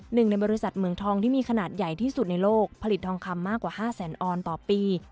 หนึ่งในบริษัทเมืองทองที่มีขนาดใหญ่ที่สุดในโลกผลิตทองคำมากกว่า๕แสนออนต่อปี